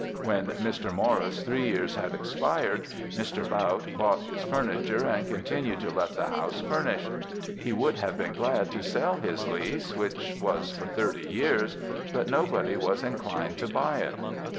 When Mr. Maurice's three years had expired, Mr. Bautte bought his furniture, and continued to let the house furnished. He would have been glad to sell his lease, which was for thirty years, but nobody was inclined to buy it.